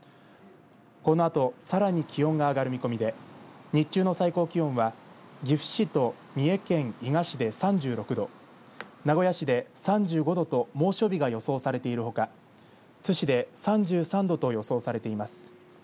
このあとさらに気温が上がる見込みで日中の最高気温は岐阜市と三重県伊賀市で３６度名古屋市で３５度と猛暑日が予想されているほか津市で３３度と予想されています。